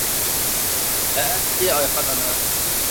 ھەئە، - دېدى ئايخان ئانا.